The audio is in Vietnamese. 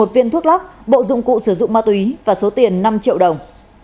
một mươi một viên thuốc lóc bộ dụng cụ sử dụng ma túy và số tiền năm triệu đồng